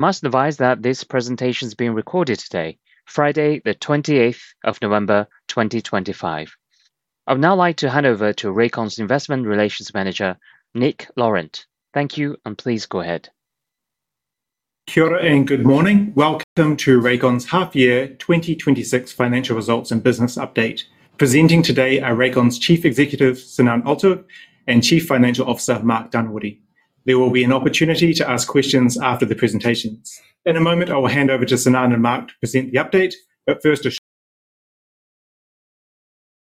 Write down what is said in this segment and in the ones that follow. Must advise that this presentation is being recorded today, Friday, the 28th of November, 2025. I'd now like to hand over to Rakon's Investment Relations Manager, Nick Laurent. Thank you, and please go ahead. Kia ora and good morning. Welcome to Rakon's half-year 2026 financial results and business update, presenting today are Rakon's Chief Executive, Sinan Altug, and Chief Financial Officer, Mark Dunwoodie. There will be an opportunity to ask questions after the presentations. In a moment, I will hand over to Sinan and Mark to present the update, but first a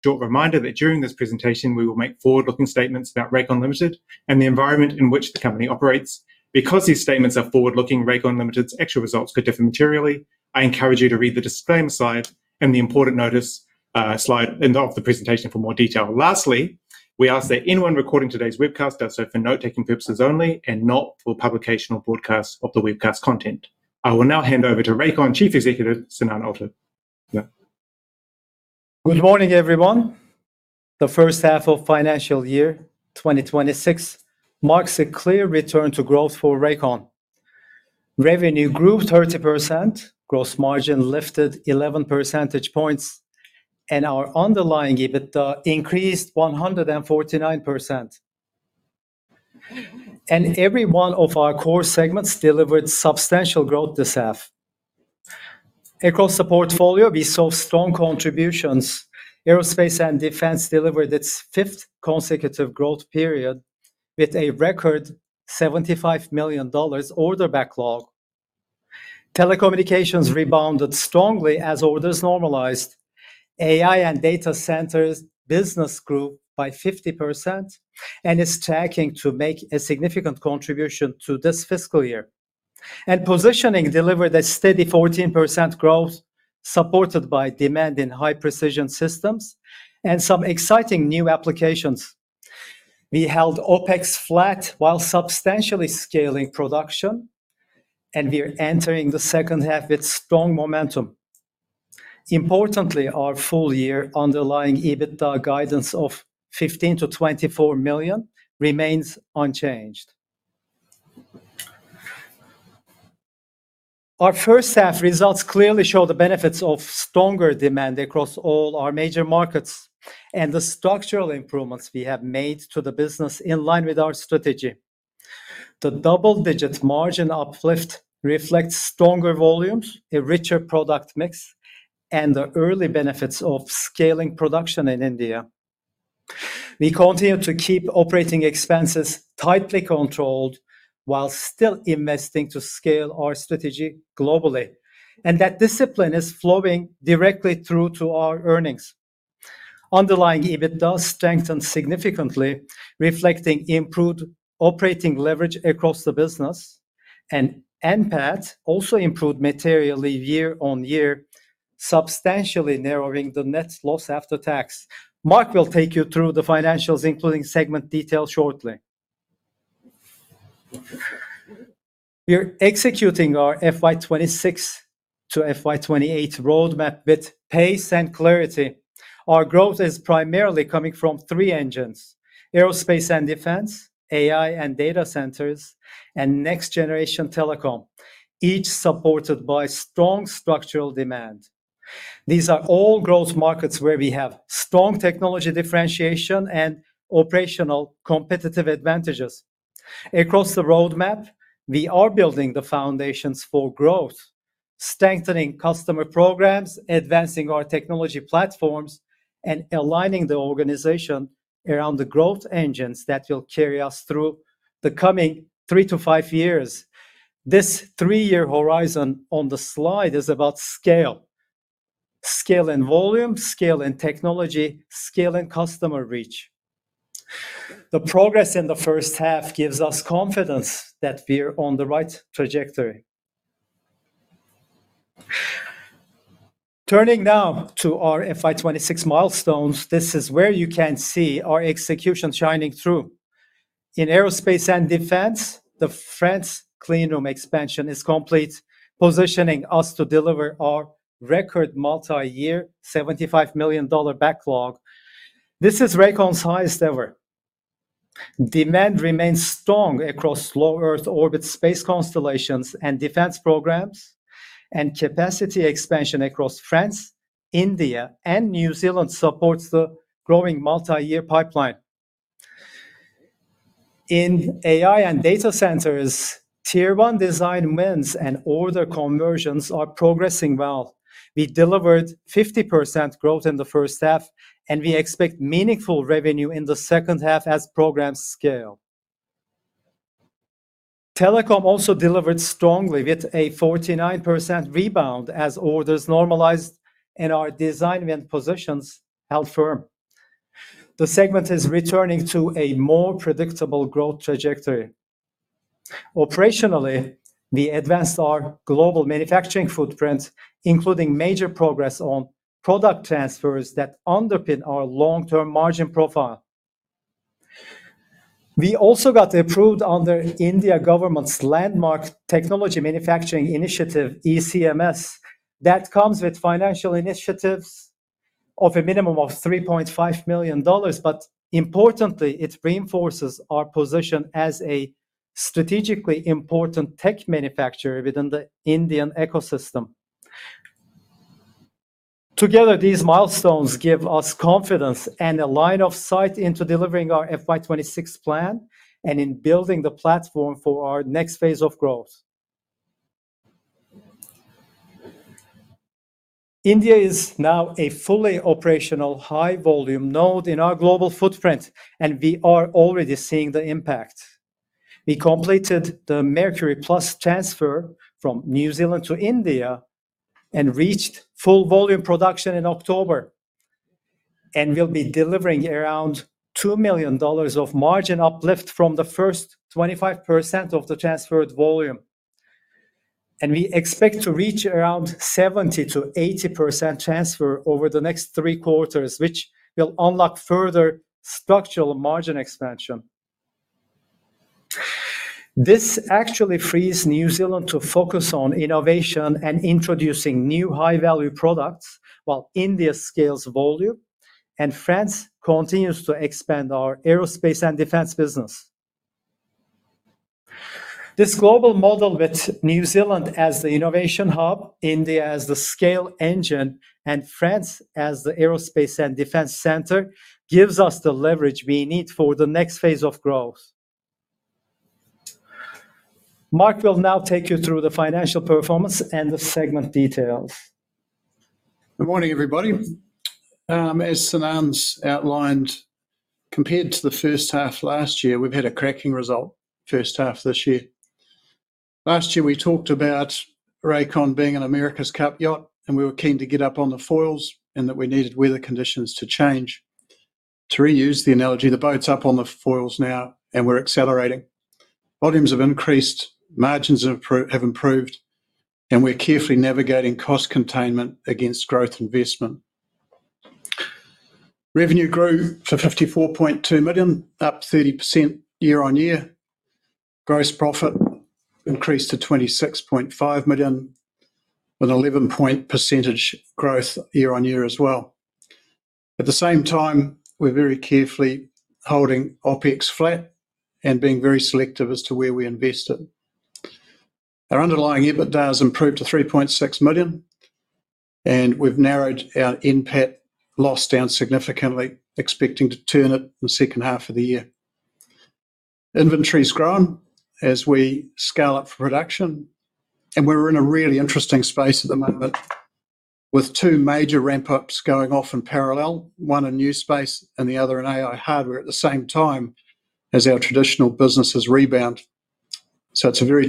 short reminder that during this presentation, we will make forward-looking statements about Rakon Ltd and the environment in which the company operates. Because these statements are forward-looking, Rakon Ltd's actual results could differ materially. I encourage you to read the disclaimer slide and the important notice slide of the presentation for more detail. Lastly, we ask that anyone recording today's webcast does so for note-taking purposes only and not for publication or broadcast of the webcast content. I will now hand over to Rakon Chief Executive, Sinan Altug. Good morning, everyone. The first half of financial year 2026 marks a clear return to growth for Rakon. Revenue grew 30%, gross margin lifted 11 percentage points, and our underlying EBITDA increased 149%. Every one of our core segments delivered substantial growth this half. Across the portfolio, we saw strong contributions. Aerospace and Defence delivered its fifth consecutive growth period with a record 75 million dollars order backlog. Telecommunications rebounded strongly as orders normalized. AI and Data Centres business grew by 50% and is tracking to make a significant contribution to this fiscal year. Positioning delivered a steady 14% growth, supported by demand in high-precision systems and some exciting new applications. We held OpEx flat while substantially scaling production, and we are entering the second half with strong momentum. Importantly, our full-year underlying EBITDA guidance of 15 million-24 million remains unchanged. Our first half results clearly show the benefits of stronger demand across all our major markets and the structural improvements we have made to the business in line with our strategy. The double-digit margin uplift reflects stronger volumes, a richer product mix, and the early benefits of scaling production in India. We continue to keep operating expenses tightly controlled while still investing to scale our strategy globally, and that discipline is flowing directly through to our earnings. Underlying EBITDA strengthened significantly, reflecting improved operating leverage across the business, and NPAT also improved materially year-on-year, substantially narrowing the net loss after tax. Mark will take you through the financials, including segment details shortly. We are executing our FY2026 to FY2028 roadmap with pace and clarity. Our growth is primarily coming from three engines: Aerospace and Defence, AI and Data Centres, and Next-Generation Telecom, each supported by strong structural demand. These are all growth markets where we have strong technology differentiation and operational competitive advantages. Across the roadmap, we are building the foundations for growth, strengthening customer programs, advancing our technology platforms, and aligning the organization around the growth engines that will carry us through the coming three to five years. This three-year horizon on the slide is about scale: scale in volume, scale in technology, scale in customer reach. The progress in the first half gives us confidence that we are on the right trajectory. Turning now to our FY2026 milestones, this is where you can see our execution shining through. In Aerospace and Defence, the France cleanroom expansion is complete, positioning us to deliver our record multi-year $75 million backlog. This is Rakon's highest ever. Demand remains strong across low Earth orbit space constellations and defence programs, and capacity expansion across France, India, and New Zealand supports the growing multi-year pipeline. In AI and Data Centres, tier-one design wins and order conversions are progressing well. We delivered 50% growth in the first half, and we expect meaningful revenue in the second half as programs scale. Telecom also delivered strongly with a 49% rebound as orders normalized and our design win positions held firm. The segment is returning to a more predictable growth trajectory. Operationally, we advanced our global manufacturing footprint, including major progress on product transfers that underpin our long-term margin profile. We also got approved under India government's landmark technology manufacturing initiative, ECMS, that comes with financial initiatives of a minimum of 3.5 million dollars. Importantly, it reinforces our position as a strategically important tech manufacturer within the Indian ecosystem. Together, these milestones give us confidence and a line of sight into delivering our FY2026 plan and in building the platform for our next phase of growth. India is now a fully operational high-volume node in our global footprint, and we are already seeing the impact. We completed the Mercury+ transfer from New Zealand to India and reached full volume production in October and will be delivering around $2 million of margin uplift from the first 25% of the transferred volume. We expect to reach around 70%-80% transfer over the next three quarters, which will unlock further structural margin expansion. This actually frees New Zealand to focus on innovation and introducing new high-value products while India scales volume and France continues to expand our Aerospace and Defence business. This global model with New Zealand as the innovation hub, India as the scale engine, and France as the Aerospace and Defence Centre gives us the leverage we need for the next phase of growth. Mark will now take you through the financial performance and the segment details. Good morning, everybody. As Sinan's outlined, compared to the first half last year, we've had a cracking result first half this year. Last year, we talked about Rakon being an America's Cup yacht, and we were keen to get up on the foils and that we needed weather conditions to change. To reuse the analogy, the boat's up on the foils now, and we're accelerating. Volumes have increased, margins have improved, and we're carefully navigating cost containment against growth investment. Revenue grew to 54.2 million, up 30% year-on-year. Gross profit increased to 26.5 million, an 11 percentage point growth year-on-year as well. At the same time, we're very carefully holding OpEx flat and being very selective as to where we invest it. Our underlying EBITDA has improved to 3.6 million, and we've narrowed our NPAT loss down significantly, expecting to turn it in the second half of the year. Inventory's grown as we scale up for production, and we're in a really interesting space at the moment with two major ramp-ups going off in parallel, one in new space and the other in AI hardware at the same time as our traditional businesses rebound. It is a very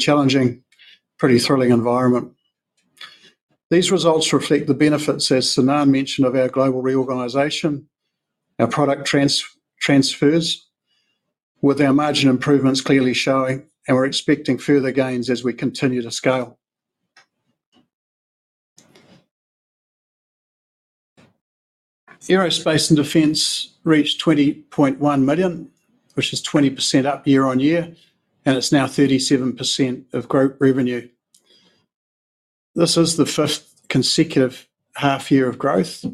challenging, pretty thrilling environment. These results reflect the benefits, as Sinan mentioned, of our global reorganization, our product transfers, with our margin improvements clearly showing, and we're expecting further gains as we continue to scale. Aerospace and defence reached $20.1 million, which is 20% up year-on-year, and it is now 37% of gross revenue. This is the fifth consecutive half-year of growth.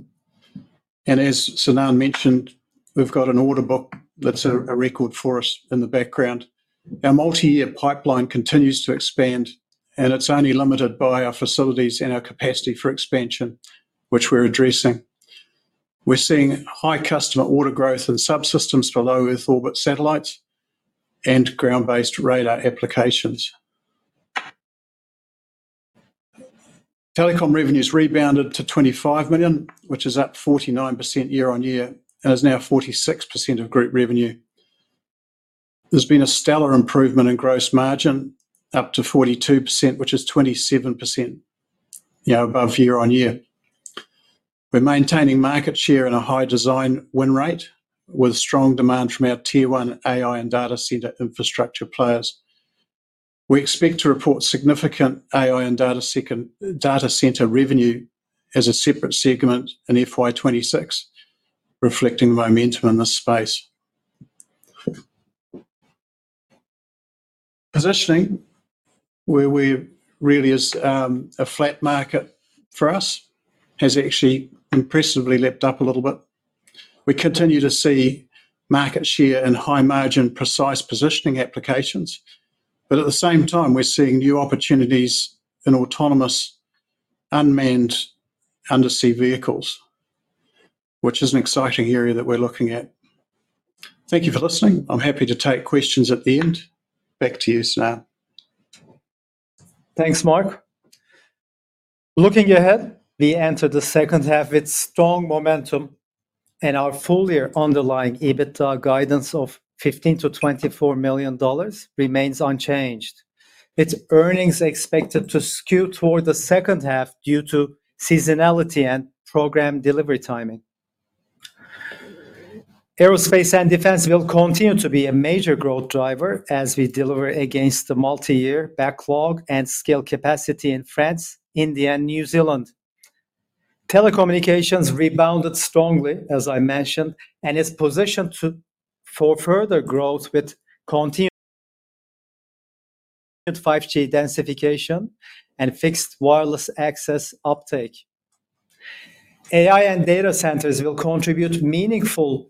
As Sinan mentioned, we've got an order book that's a record for us in the background. Our multi-year pipeline continues to expand, and it is only limited by our facilities and our capacity for expansion, which we're addressing. We're seeing high customer order growth in subsystems for low Earth orbit satellites and ground-based radar applications. Telecom revenues rebounded to $25 million, which is up 49% year-on-year and is now 46% of group revenue. There's been a stellar improvement in gross margin, up to 42%, which is 27% now above year-on-year. We're maintaining market share and a high design win rate with strong demand from our tier-one AI and Data Centre infrastructure players. We expect to report significant AI and Data Centre revenue as a separate segment in FY2026, reflecting momentum in this space. Positioning, where we really is a flat market for us, has actually impressively leapt up a little bit. We continue to see market share in high-margin, precise positioning applications, but at the same time, we're seeing new opportunities in autonomous unmanned undersea vehicles, which is an exciting area that we're looking at. Thank you for listening. I'm happy to take questions at the end. Back to you, Sinan. Thanks, Mark. Looking ahead, we entered the second half with strong momentum, and our full-year underlying EBITDA guidance of $15 million-$24 million remains unchanged. Its earnings are expected to skew toward the second half due to seasonality and program delivery timing. Aerospace and Defence will continue to be a major growth driver as we deliver against the multi-year backlog and scale capacity in France, India, and New Zealand. Telecommunications rebounded strongly, as I mentioned, and is positioned for further growth with continued 5G densification and fixed wireless access uptake. AI and Data Centres will contribute meaningful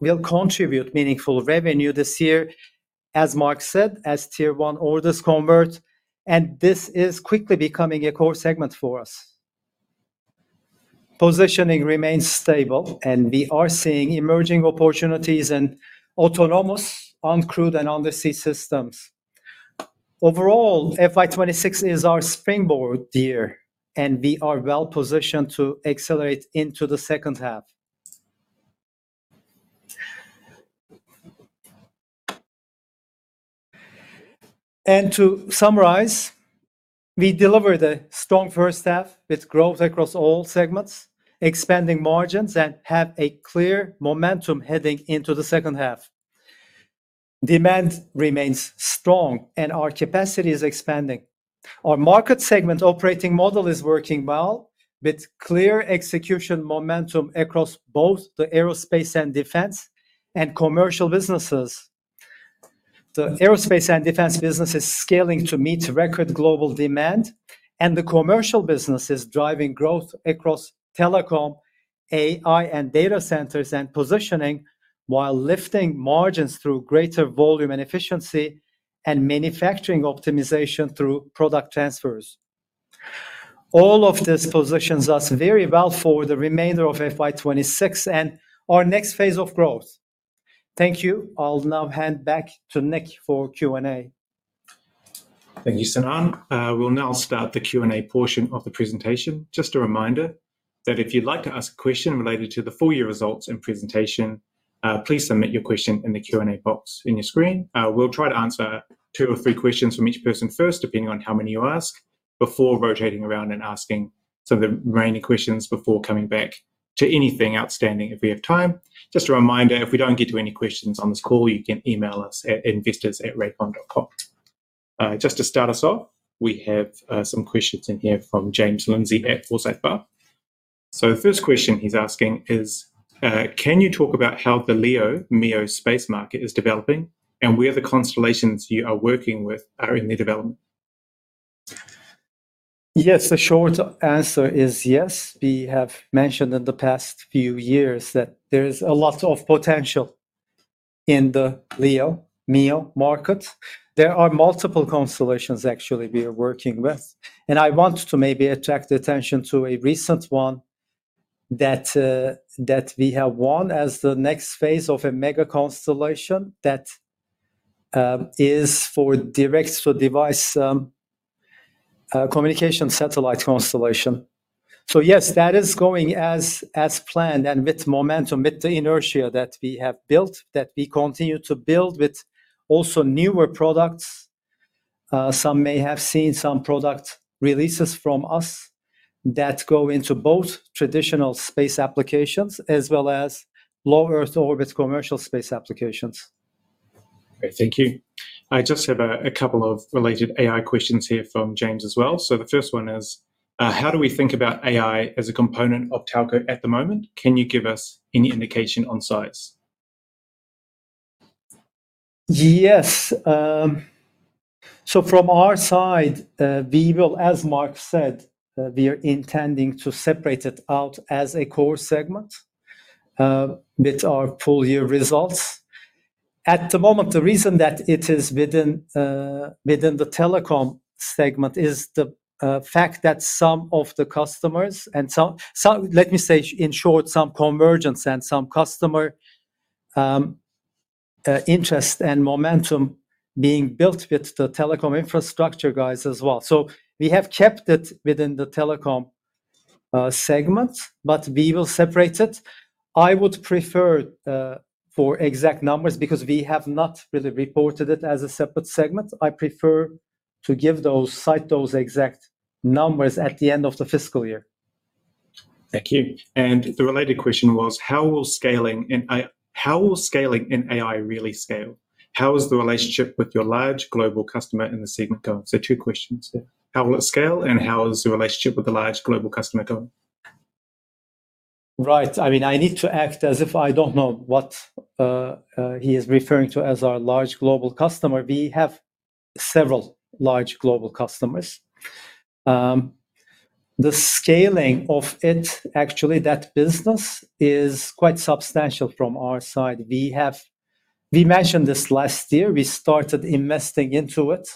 revenue this year, as Mark said, as tier-one orders convert, and this is quickly becoming a core segment for us. Positioning remains stable, and we are seeing emerging opportunities in autonomous, uncrewed, and undersea systems. Overall, FY2026 is our springboard year, and we are well positioned to accelerate into the second half. To summarize, we delivered a strong first half with growth across all segments, expanding margins, and have a clear momentum heading into the second half. Demand remains strong, and our capacity is expanding. Our market segment operating model is working well with clear execution momentum across both the Aerospace and Defence and commercial businesses. The Aerospace and Defence business is scaling to meet record global demand, and the commercial business is driving growth across Telecom, AI, and Data Centres and positioning while lifting margins through greater volume and efficiency and manufacturing optimization through product transfers. All of this positions us very well for the remainder of FY2026 and our next phase of growth. Thank you. I'll now hand back to Nick for Q&A. Thank you, Sinan. We'll now start the Q&A portion of the presentation. Just a reminder that if you'd like to ask a question related to the full-year results and presentation, please submit your question in the Q&A box on your screen. We'll try to answer two or three questions from each person first, depending on how many you ask, before rotating around and asking some of the remaining questions before coming back to anything outstanding if we have time. Just a reminder, if we don't get to any questions on this call, you can email us at investors@rakon.com. Just to start us off, we have some questions in here from James Lindsay at Forsyth Barr. The first question he's asking is, can you talk about how the LEO/MEO space market is developing and where the constellations you are working with are in the development? Yes, the short answer is yes. We have mentioned in the past few years that there is a lot of potential in the LEO/MEO market. There are multiple constellations actually we are working with. I want to maybe attract attention to a recent one that we have won as the next phase of a mega constellation that is for direct-to-device communication satellite constellation. Yes, that is going as planned and with momentum, with the inertia that we have built, that we continue to build with also newer products. Some may have seen some product releases from us that go into both traditional space applications as well as low Earth orbit commercial space applications. Great, thank you. I just have a couple of related AI questions here from James as well. The first one is, how do we think about AI as a component of Telco at the moment? Can you give us any indication on size? Yes. From our side, we will, as Mark said, we are intending to separate it out as a core segment with our full-year results. At the moment, the reason that it is within the Telecom segment is the fact that some of the customers and some, let me say in short, some convergence and some customer interest and momentum being built with the Telecom infrastructure guys as well. We have kept it within the Telecom segment, but we will separate it. I would prefer for exact numbers because we have not really reported it as a separate segment. I prefer to give those, cite those exact numbers at the end of the fiscal year. Thank you. The related question was, how will scaling in AI really scale? How is the relationship with your large global customer in the segment going? Two questions here. How will it scale, and how is the relationship with the large global customer going? Right. I mean, I need to act as if I do not know what he is referring to as our large global customer. We have several large global customers. The scaling of it, actually, that business is quite substantial from our side. We mentioned this last year. We started investing into it,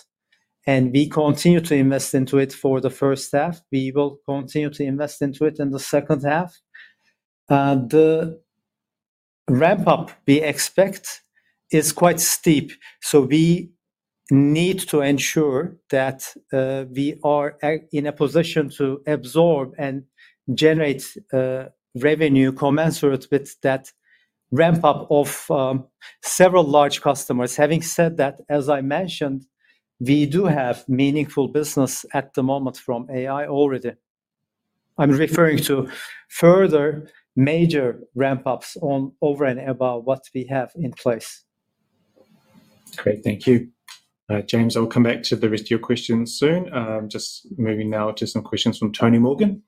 and we continue to invest into it for the first half. We will continue to invest into it in the second half. The ramp-up we expect is quite steep. We need to ensure that we are in a position to absorb and generate revenue commensurate with that ramp-up of several large customers. Having said that, as I mentioned, we do have meaningful business at the moment from AI already. I am referring to further major ramp-ups over and above what we have in place. Great, thank you. James, I'll come back to the rest of your questions soon. Just moving now to some questions from Tony Morgan.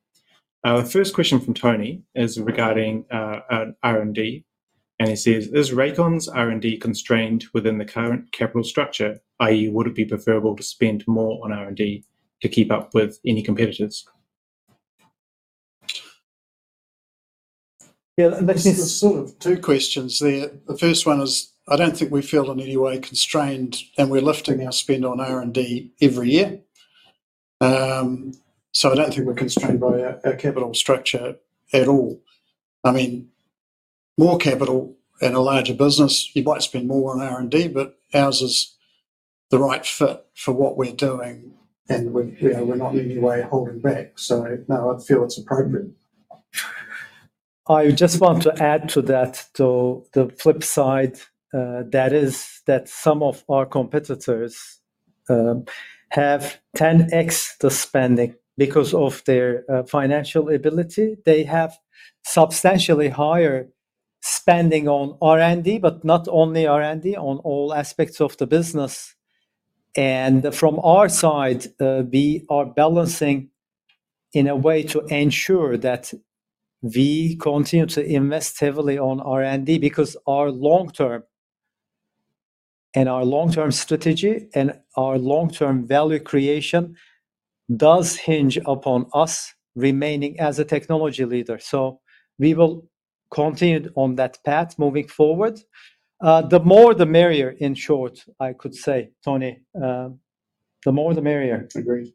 Our first question from Tony is regarding R&D. He says, is Rakon's R&D constrained within the current capital structure? I.e., would it be preferable to spend more on R&D to keep up with any competitors? Yeah, there's sort of two questions there. The first one is, I don't think we feel in any way constrained, and we're lifting our spend on R&D every year. I don't think we're constrained by a capital structure at all. I mean, more capital and a larger business, you might spend more on R&D, but ours is the right fit for what we're doing, and we're not in any way holding back. I feel it's appropriate. I just want to add to that, to the flip side, that is that some of our competitors have 10x the spending because of their financial ability. They have substantially higher spending on R&D, not only R&D, on all aspects of the business. From our side, we are balancing in a way to ensure that we continue to invest heavily on R&D because our long-term and our long-term strategy and our long-term value creation does hinge upon us remaining as a technology leader. We will continue on that path moving forward. The more, the merrier, in short, I could say, Tony. The more, the merrier. Agreed.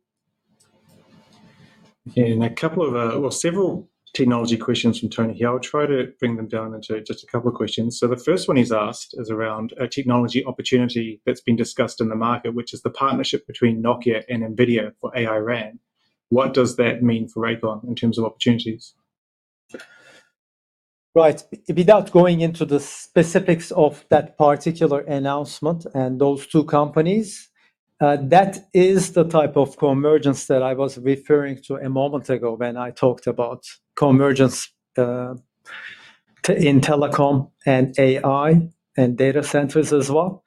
Okay, and a couple of, well, several technology questions from Tony here. I'll try to bring them down into just a couple of questions. The first one he's asked is around a technology opportunity that's been discussed in the market, which is the partnership between Nokia and NVIDIA for AI-RAN. What does that mean for Rakon in terms of opportunities? Right. Without going into the specifics of that particular announcement and those two companies, that is the type of convergence that I was referring to a moment ago when I talked about convergence in Telecom and AI and Data Centres as well.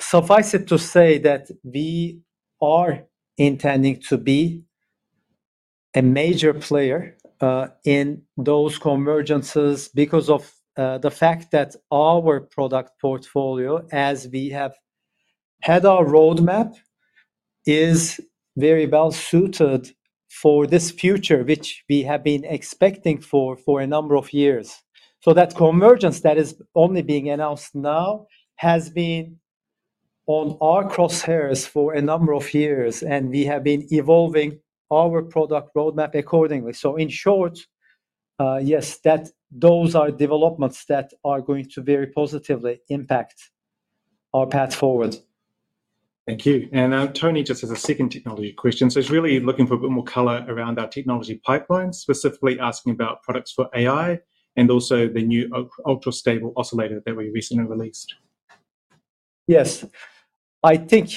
Suffice it to say that we are intending to be a major player in those convergences because of the fact that our product portfolio, as we have had our roadmap, is very well suited for this future, which we have been expecting for a number of years. That convergence that is only being announced now has been on our crosshairs for a number of years, and we have been evolving our product roadmap accordingly. In short, yes, those are developments that are going to very positively impact our path forward. Thank you. Tony, just as a second technology question, he is really looking for a bit more color around our technology pipeline, specifically asking about products for AI and also the new Ultra Stable Oscillator that we recently released. Yes. I think,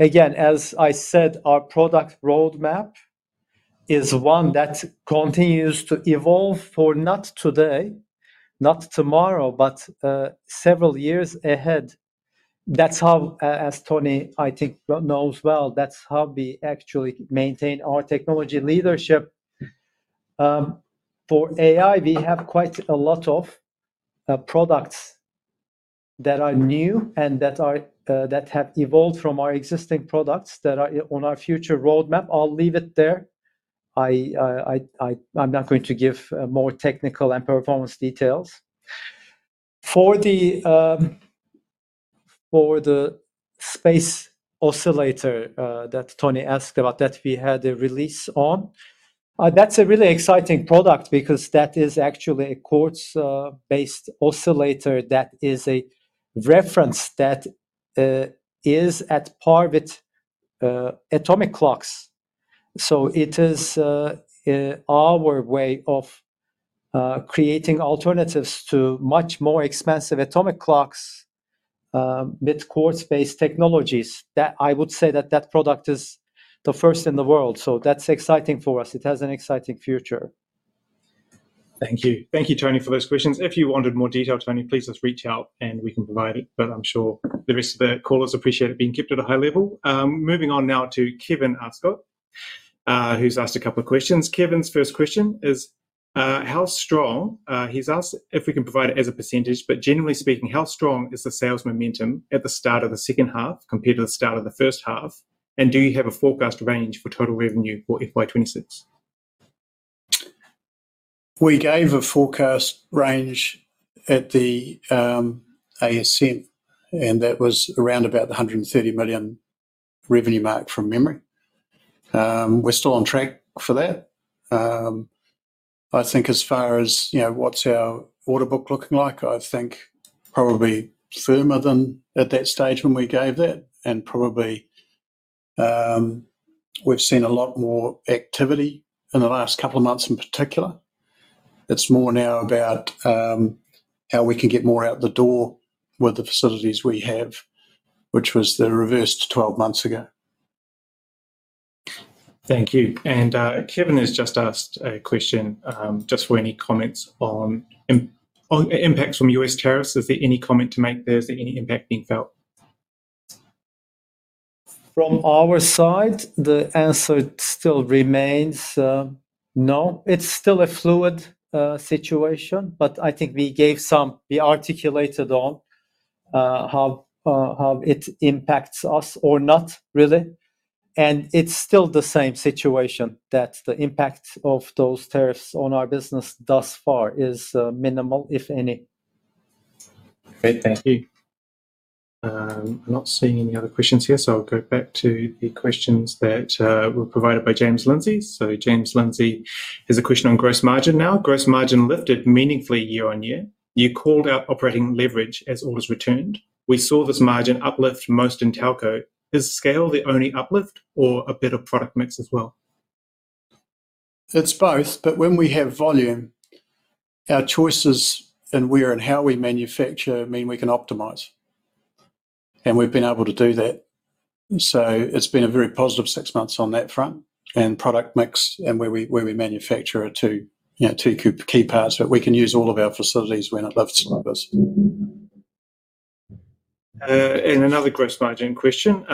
again, as I said, our product roadmap is one that continues to evolve for not today, not tomorrow, but several years ahead. That's how, as Tony, I think, knows well, that's how we actually maintain our technology leadership. For AI, we have quite a lot of products that are new and that have evolved from our existing products that are on our future roadmap. I'll leave it there. I'm not going to give more technical and performance details. For the space oscillator that Tony asked about that we had a release on, that's a really exciting product because that is actually a quartz-based oscillator that is a reference that is at par with Atomic Clocks. It is our way of creating alternatives to much more expensive atomic clocks with quartz-based technologies. I would say that that product is the first in the world. That's exciting for us. It has an exciting future. Thank you. Thank you, Tony, for those questions. If you wanted more detail, Tony, please just reach out and we can provide it. I am sure the rest of the callers appreciate it being kept at a high level. Moving on now to Kevin Ascott, who's asked a couple of questions. Kevin's first question is how strong? He's asked if we can provide it as a percentage, but generally speaking, how strong is the sales momentum at the start of the second half compared to the start of the first half? Do you have a forecast range for total revenue for FY2026? We gave a forecast range at the ASM, and that was around about the $130 million revenue mark from memory. We're still on track for that. I think as far as what's our order book looking like, I think probably firmer than at that stage when we gave that. Probably we've seen a lot more activity in the last couple of months in particular. It's more now about how we can get more out the door with the facilities we have, which was the reverse to 12 months ago. Thank you. Kevin has just asked a question just for any comments on impacts from U.S. tariffs. Is there any comment to make there? Is there any impact being felt? From our side, the answer still remains no. It's still a fluid situation, but I think we gave some, we articulated on how it impacts us or not really. It's still the same situation that the impact of those tariffs on our business thus far is minimal, if any. Great, thank you. I'm not seeing any other questions here, so I'll go back to the questions that were provided by James Lindsay. James Lindsay has a question on gross margin now. Gross margin lifted meaningfully year on year. You called out operating leverage as always returned. We saw this margin uplift most in Telco. Is scale the only uplift or a bit of product mix as well? It's both, but when we have volume, our choices in where and how we manufacture mean we can optimize. We've been able to do that. It's been a very positive six months on that front, and product mix and where we manufacture are two key parts, but we can use all of our facilities when it lifts for us. Another gross margin question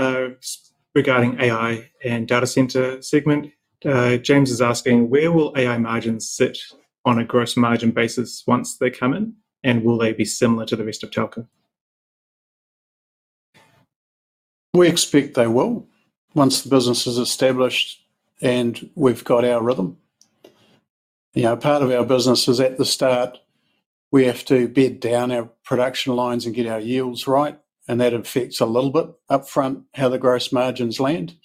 regarding AI and Data Centre segment. James is asking, where will AI margins sit on a gross margin basis once they come in, and will they be similar to the rest of Telco? We expect they will once the business is established and we've got our rhythm. Part of our business is at the start, we have to bed down our production lines and get our yields right. That affects a little bit upfront how the gross margins land.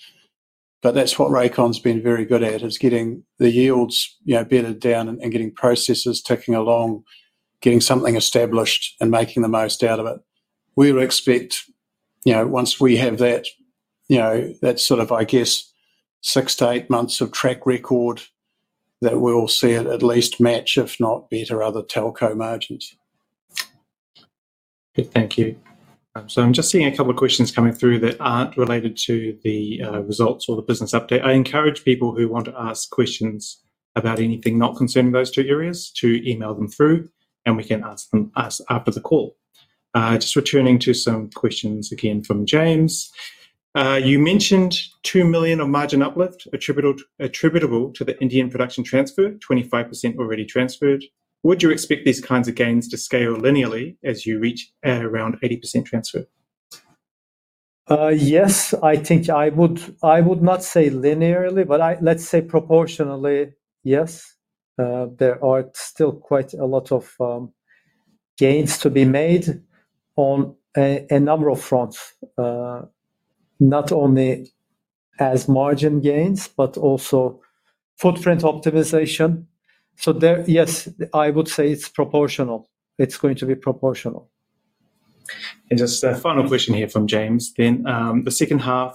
That is what Rakon's been very good at, getting the yields bedded down and getting processes ticking along, getting something established and making the most out of it. We would expect once we have that sort of, I guess, six to eight months of track record that we'll see it at least match, if not better, other Telco margins. Good, thank you. I am just seeing a couple of questions coming through that are not related to the results or the business update. I encourage people who want to ask questions about anything not concerning those two areas to email them through, and we can answer them after the call. Just returning to some questions again from James. You mentioned $2 million of margin uplift attributable to the Indian production transfer, 25% already transferred. Would you expect these kinds of gains to scale linearly as you reach around 80% transfer? Yes, I think I would not say linearly, but let's say proportionally, yes. There are still quite a lot of gains to be made on a number of fronts, not only as margin gains, but also footprint optimization. Yes, I would say it's proportional. It's going to be proportional. Just a final question here from James. The second half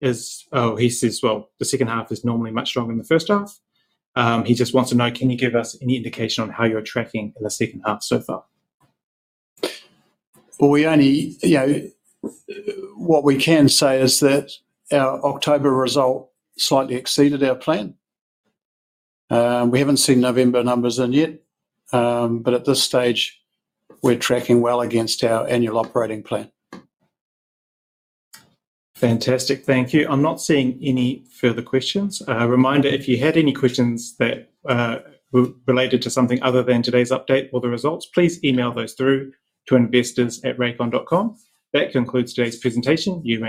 is, oh, he says, the second half is normally much stronger than the first half. He just wants to know, can you give us any indication on how you're tracking in the second half so far? What we can say is that our October result slightly exceeded our plan. We haven't seen November numbers in yet, but at this stage, we're tracking well against our annual operating plan. Fantastic, thank you. I'm not seeing any further questions. Reminder, if you had any questions that were related to something other than today's update or the results, please email those through to investors@rakon.com. That concludes today's presentation. You may.